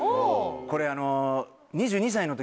これあの。